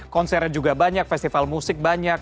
konsernya juga banyak festival musik banyak